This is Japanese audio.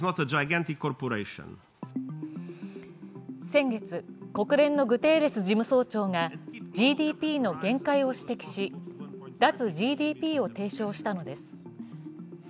先月、国連のグテーレス事務総長がＧＤＰの限界を指摘し脱ＧＤＰを提唱したのです。